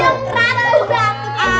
eh aku belum